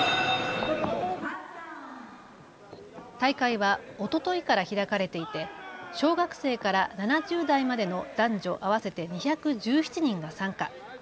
大会はおとといから開かれていて小学生から７０代までの男女合わせて２１７人が参加。